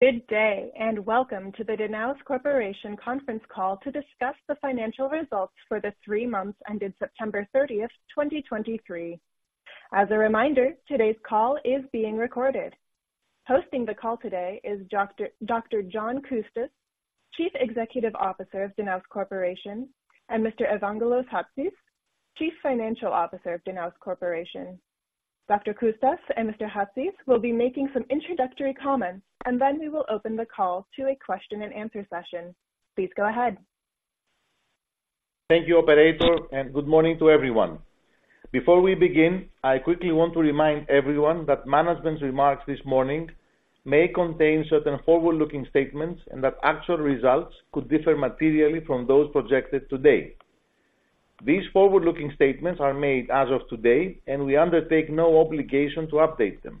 Good day, and welcome to the Danaos Corporation conference call to discuss the financial results for the three months ended September 30, 2023. As a reminder, today's call is being recorded. Hosting the call today is Dr. John Coustas, Chief Executive Officer of Danaos Corporation, and Mr. Evangelos Chatzis, Chief Financial Officer of Danaos Corporation. Dr. Coustas and Mr. Chatzis will be making some introductory comments, and then we will open the call to a question and answer session. Please go ahead. Thank you, operator, and good morning to everyone. Before we begin, I quickly want to remind everyone that management's remarks this morning may contain certain forward-looking statements and that actual results could differ materially from those projected today. These forward-looking statements are made as of today, and we undertake no obligation to update them.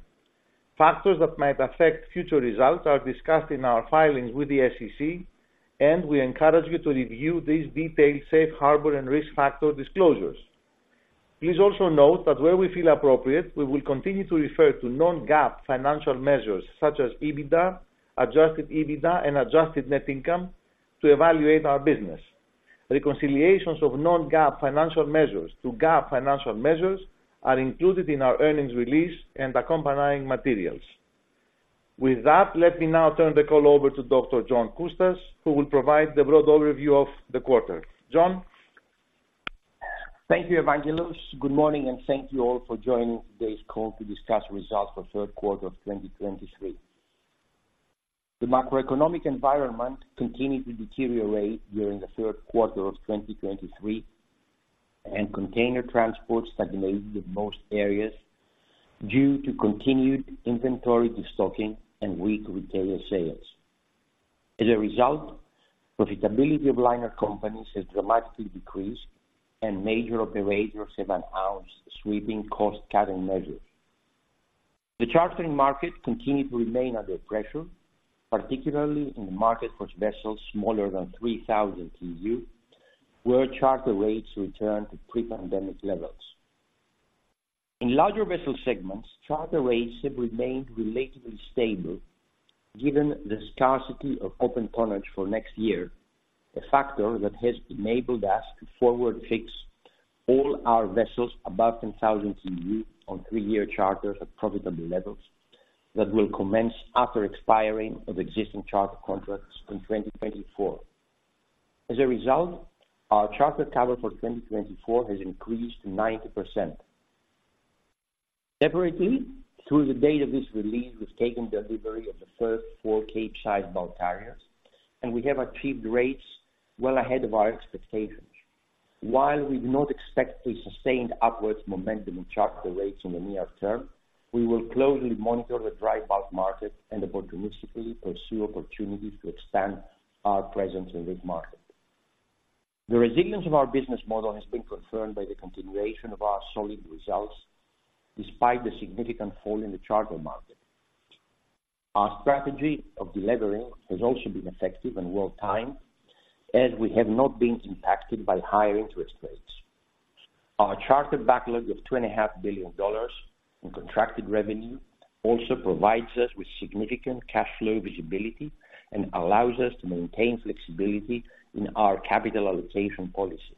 Factors that might affect future results are discussed in our filings with the SEC, and we encourage you to review these detailed safe harbor and risk factor disclosures. Please also note that where we feel appropriate, we will continue to refer to non-GAAP financial measures such as EBITDA, Adjusted EBITDA, and adjusted net income to evaluate our business. Reconciliations of non-GAAP financial measures to GAAP financial measures are included in our earnings release and accompanying materials. With that, let me now turn the call over to Dr. John Coustas, who will provide the broad overview of the quarter. John? Thank you, Evangelos. Good morning, and thank you all for joining today's call to discuss results for third quarter of 2023. The macroeconomic environment continued to deteriorate during the third quarter of 2023, and container transport stagnated in most areas due to continued inventory, destocking, and weak retail sales. As a result, profitability of liner companies has dramatically decreased, and major operators have announced sweeping cost-cutting measures. The chartering market continued to remain under pressure, particularly in the market for vessels smaller than 3,000 TEU, where charter rates returned to pre-pandemic levels. In larger vessel segments, charter rates have remained relatively stable, given the scarcity of open tonnage for next year, a factor that has enabled us to forward fix all our vessels above 10,000 TEU on three-year charters at profitable levels that will commence after expiring of existing charter contracts in 2024. As a result, our charter cover for 2024 has increased to 90%. Separately, through the date of this release, we've taken delivery of the first four Capesize bulk carriers, and we have achieved rates well ahead of our expectations. While we do not expect to sustain upwards momentum in charter rates in the near term, we will closely monitor the dry bulk market and opportunistically pursue opportunities to expand our presence in this market. The resilience of our business model has been confirmed by the continuation of our solid results, despite the significant fall in the charter market. Our strategy of delevering has also been effective and well-timed, as we have not been impacted by higher interest rates. Our charter backlog of $2.5 billion in contracted revenue also provides us with significant cash flow visibility and allows us to maintain flexibility in our capital allocation policy.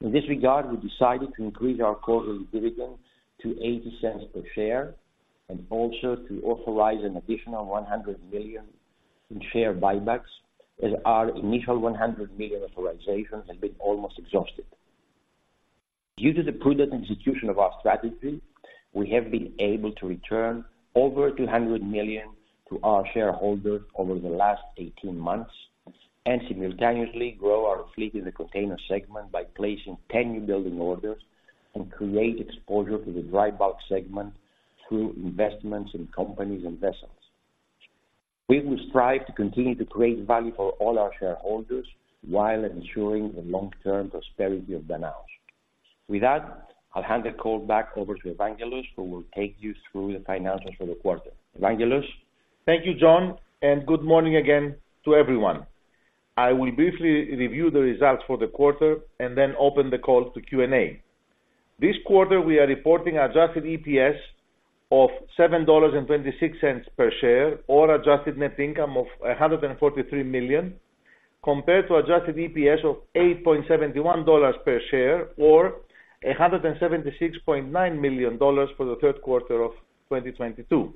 In this regard, we decided to increase our quarterly dividend to $0.80 per share and also to authorize an additional $100 million in share buybacks, as our initial $100 million authorization has been almost exhausted. Due to the prudent institution of our strategy, we have been able to return over $200 million to our shareholders over the last 18 months, and simultaneously grow our fleet in the container segment by placing 10 newbuilding orders and create exposure to the dry bulk segment through investments in companies and vessels. We will strive to continue to create value for all our shareholders while ensuring the long-term prosperity of Danaos. With that, I'll hand the call back over to Evangelos, who will take you through the financials for the quarter. Evangelos? Thank you, John, and good morning again to everyone. I will briefly review the results for the quarter and then open the call to Q&A. This quarter, we are reporting Adjusted EPS of $7.26 per share or Adjusted Net Income of $143 million, compared to Adjusted EPS of $8.71 per share or $176.9 million for the third quarter of 2022.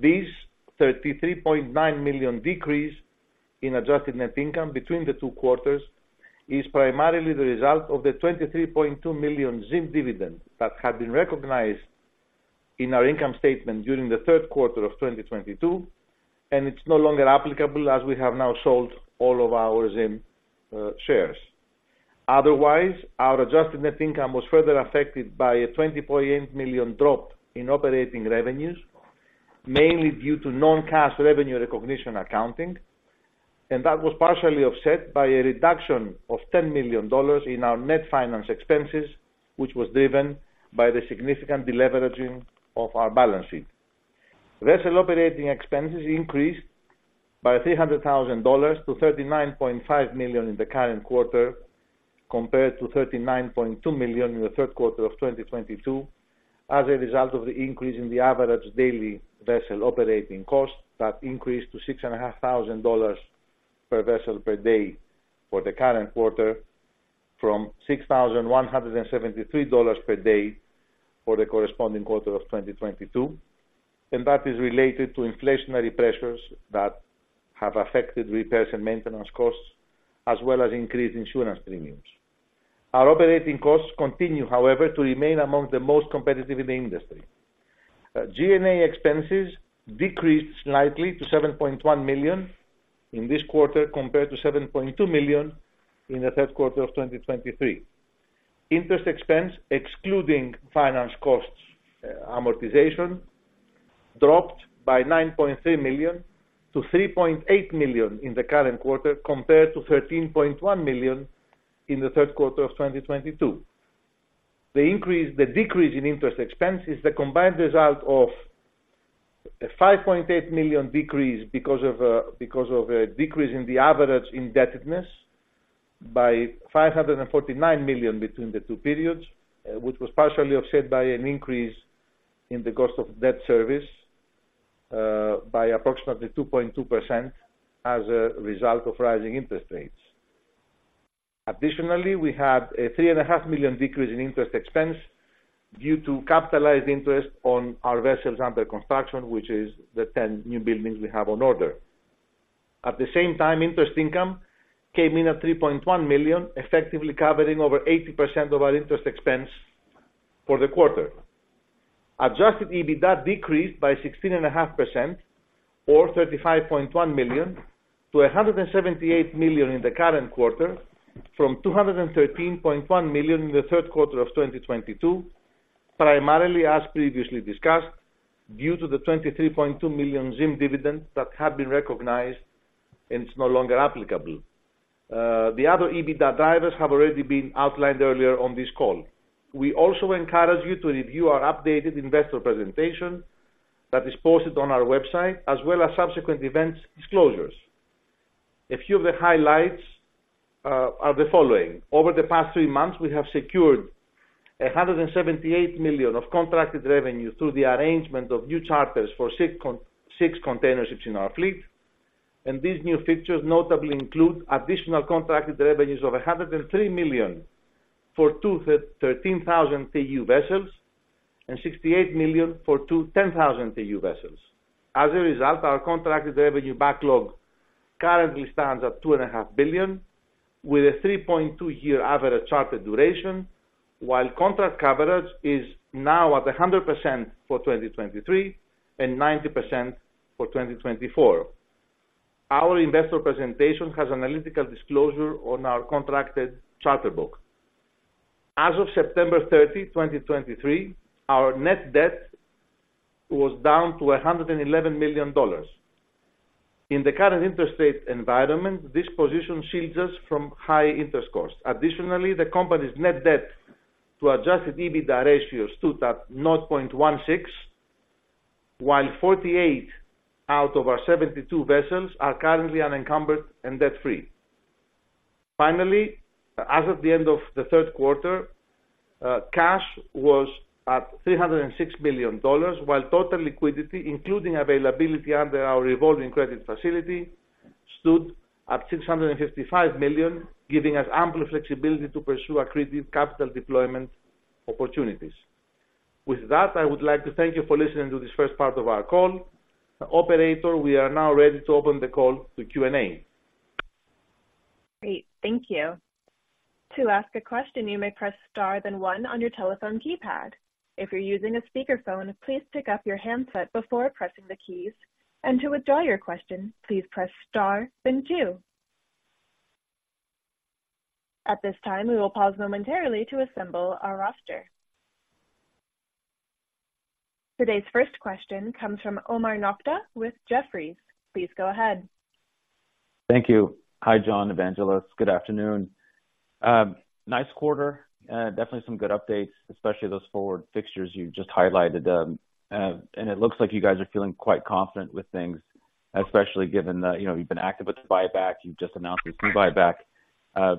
This $33.9 million decrease in Adjusted Net Income between the two quarters is primarily the result of the $23.2 million ZIM dividend that had been recognized in our income statement during the third quarter of 2022, and it's no longer applicable as we have now sold all of our ZIM shares. Otherwise, our adjusted net income was further affected by a $20.8 million drop in operating revenues, mainly due to non-cash revenue recognition accounting, and that was partially offset by a reduction of $10 million in our net finance expenses, which was driven by the significant deleveraging of our balance sheet. Vessel operating expenses increased by $300,000 million-$39.5 million in the current quarter, compared to $39.2 million in the third quarter of 2022, as a result of the increase in the average daily vessel operating costs that increased to $6,500 per vessel per day for the current quarter, from $6,173 per day for the corresponding quarter of 2022. That is related to inflationary pressures that have affected repairs and maintenance costs, as well as increased insurance premiums. Our operating costs continue, however, to remain among the most competitive in the industry. G&A expenses decreased slightly to $7.1 million in this quarter, compared to $7.2 million in the third quarter of 2023. Interest expense, excluding finance costs, amortization, dropped by $9.3 million-$3.8 million in the current quarter, compared to $13.1 million in the third quarter of 2022. The decrease in interest expense is the combined result of a $5.8 million decrease because of a decrease in the average indebtedness by $549 million between the two periods, which was partially offset by an increase in the cost of debt service by approximately 2.2% as a result of rising interest rates. Additionally, we had a $3.5 million decrease in interest expense due to capitalized interest on our vessels under construction, which is the ten new buildings we have on order. At the same time, interest income came in at $3.1 million, effectively covering over 80% of our interest expense for the quarter. Adjusted EBITDA decreased by 16.5% or $35.1 million-$178 million in the current quarter, from $213.1 million in the third quarter of 2022. Primarily, as previously discussed, due to the $23.2 million ZIM dividend that had been recognized and it's no longer applicable. The other EBITDA drivers have already been outlined earlier on this call. We also encourage you to review our updated investor presentation that is posted on our website, as well as subsequent events disclosures. A few of the highlights are the following: Over the past three months, we have secured $178 million of contracted revenue through the arrangement of new charters for six container ships in our fleet. These new fixtures notably include additional contracted revenues of $103 million for two 13,000 TEU vessels and $68 million for two 10,000 TEU vessels. As a result, our contracted revenue backlog currently stands at $2.5 billion, with a 3.2-year average charter duration, while contract coverage is now at 100% for 2023 and 90% for 2024. Our investor presentation has analytical disclosure on our contracted charter book. As of September 30, 2023, our net debt was down to $111 million. In the current interest rate environment, this position shields us from high interest costs. Additionally, the company's net debt to Adjusted EBITDA ratio stood at 0.16, while 48 out of our 72 vessels are currently unencumbered and debt-free. Finally, as of the end of the third quarter, cash was at $306 million, while total liquidity, including availability under our revolving credit facility, stood at $655 million, giving us ample flexibility to pursue accretive capital deployment opportunities. With that, I would like to thank you for listening to this first part of our call. Operator, we are now ready to open the call to Q&A. Great, thank you. To ask a question, you may press Star, then one on your telephone keypad. If you're using a speakerphone, please pick up your handset before pressing the keys. And to withdraw your question, please press Star, then two. At this time, we will pause momentarily to assemble our roster. Today's first question comes from Omar Nokta with Jefferies. Please go ahead. Thank you. Hi, John. Evangelos. Good afternoon. Nice quarter. Definitely some good updates, especially those forward fixtures you just highlighted. And it looks like you guys are feeling quite confident with things, especially given that, you know, you've been active with the buyback, you've just announced your key buyback.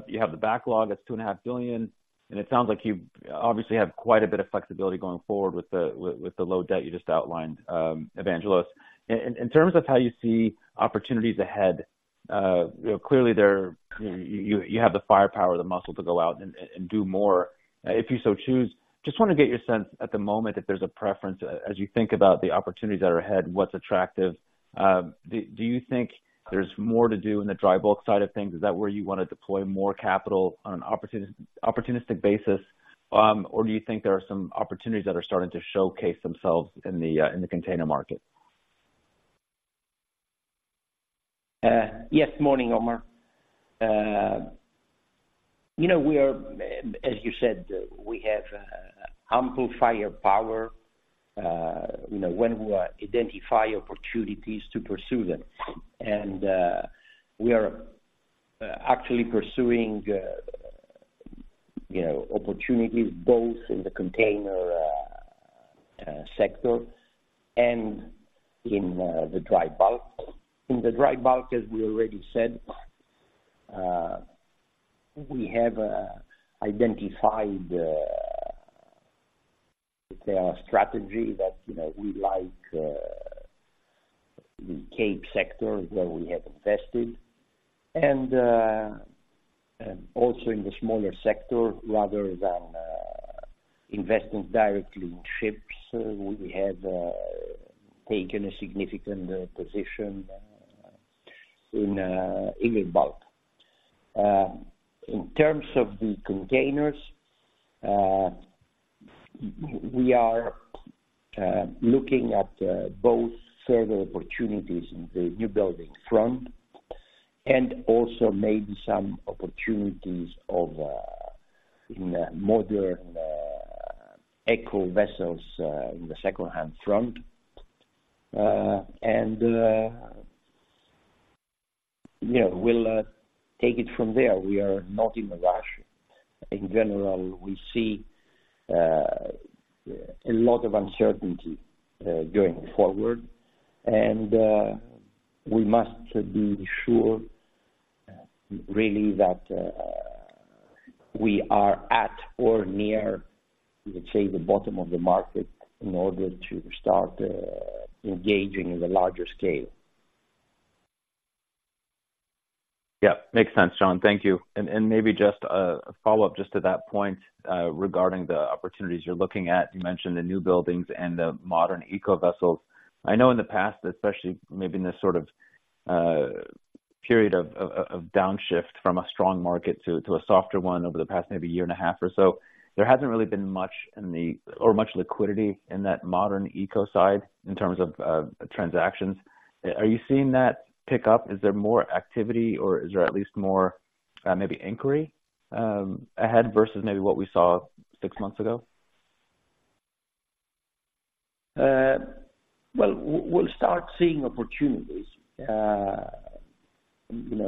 You have the backlog that's $2.5 billion, and it sounds like you obviously have quite a bit of flexibility going forward with the low debt you just outlined, Evangelos. In terms of how you see opportunities ahead, you know, clearly there, you have the firepower, the muscle to go out and do more, if you so choose. Just want to get your sense at the moment, if there's a preference, as you think about the opportunities that are ahead, what's attractive? Do you think there's more to do on the dry bulk side of things? Is that where you want to deploy more capital on an opportunistic basis, or do you think there are some opportunities that are starting to showcase themselves in the container market? Yes. Morning, Omar. You know, we are, as you said, we have ample firepower, you know, when we identify opportunities to pursue them. And, we are actually pursuing,... you know, opportunities both in the container sector and in the dry bulk. In the dry bulk, as we already said, we have identified, let's say, our strategy that, you know, we like the Capesize sector where we have invested, and, and also in the smaller sector rather than investing directly in ships, we have taken a significant position Eagle Bulk. In terms of the containers, we are looking at both further opportunities in the newbuilding front and also maybe some opportunities of in modern eco vessels in the secondhand front. And yeah, we'll take it from there. We are not in a rush. In general, we see a lot of uncertainty going forward, and we must be sure, really, that we are at or near, let's say, the bottom of the market in order to start engaging in the larger scale. Yeah, makes sense, John. Thank you. And maybe just a follow-up just to that point, regarding the opportunities you're looking at. You mentioned the new buildings and the modern eco vessels. I know in the past, especially maybe in this sort of period of downshift from a strong market to a softer one over the past maybe year and a half or so, there hasn't really been much or much liquidity in that modern eco side in terms of transactions. Are you seeing that pick up? Is there more activity or is there at least more maybe inquiry ahead versus maybe what we saw six months ago? Well, we'll start seeing opportunities. You know,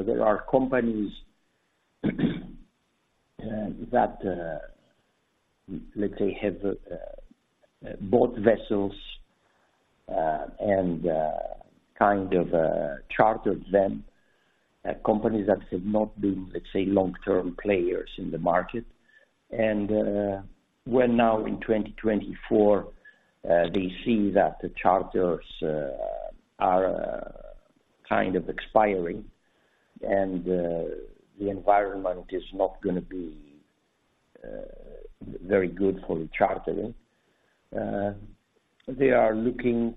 there are companies that, let's say, have bought vessels and kind of chartered them. Companies that have not been, let's say, long-term players in the market. And when now in 2024, they see that the charters are kind of expiring and the environment is not gonna be very good for the chartering, they are looking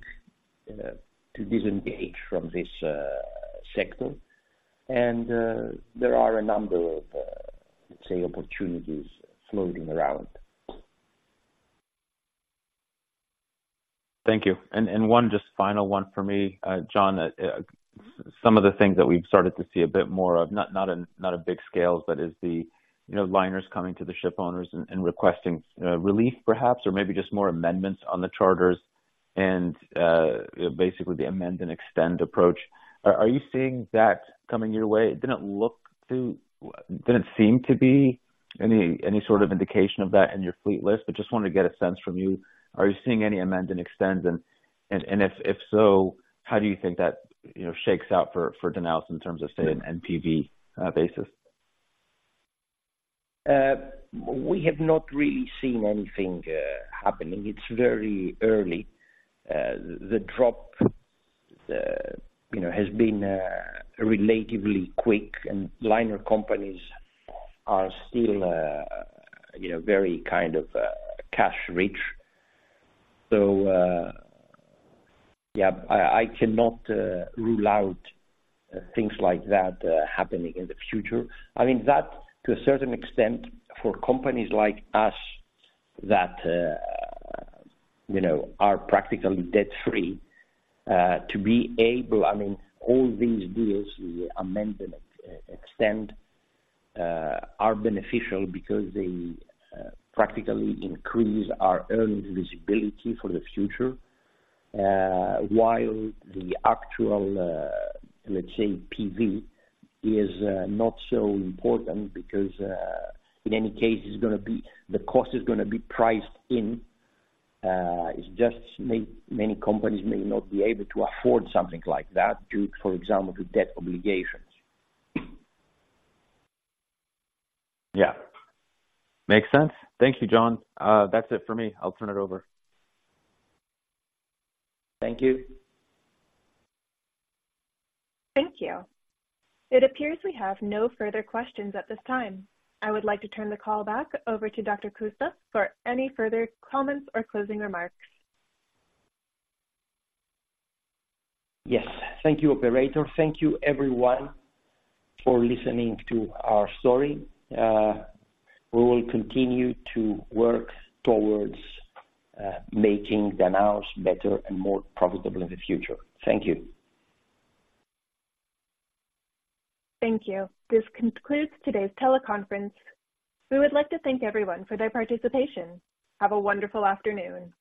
to disengage from this sector. And there are a number of, let's say, opportunities floating around. Thank you. And one just final one for me, John. Some of the things that we've started to see a bit more of, not a big scale, but is the, you know, liners coming to the shipowners and requesting relief perhaps, or maybe just more amendments on the charters and basically the amend and extend approach. Are you seeing that coming your way? It didn't look to... Didn't seem to be any sort of indication of that in your fleet list, but just wanted to get a sense from you. Are you seeing any amend and extends? And if so, how do you think that, you know, shakes out for Danaos in terms of, say, an NPV basis? We have not really seen anything happening. It's very early. The drop, you know, has been relatively quick, and liner companies are still, you know, very kind of cash rich. So, yeah, I cannot rule out things like that happening in the future. I mean, that to a certain extent for companies like us that, you know, are practically debt free, to be able... I mean, all these deals, the amend and extend, are beneficial because they practically increase our earnings visibility for the future, while the actual, let's say, PV is not so important because, in any case, it's gonna be... the cost is gonna be priced in. It's just many companies may not be able to afford something like that due, for example, to debt obligations. Yeah. Makes sense. Thank you, John. That's it for me. I'll turn it over. Thank you. Thank you. It appears we have no further questions at this time. I would like to turn the call back over to Dr. Coustas for any further comments or closing remarks. Yes. Thank you, operator. Thank you, everyone, for listening to our story. We will continue to work towards making Danaos better and more profitable in the future. Thank you. Thank you. This concludes today's teleconference. We would like to thank everyone for their participation. Have a wonderful afternoon.